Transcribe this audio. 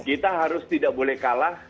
kita harus tidak boleh kalah